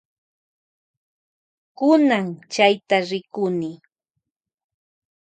Kunan chayta rikuni.